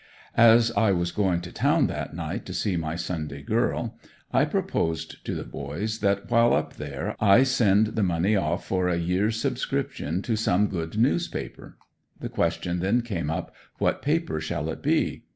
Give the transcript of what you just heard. As I was going to town that night to see my Sunday girl, I proposed to the boys that, while up there, I send the money off for a years subscription to some good newspaper. The question then came up, what paper shall it be?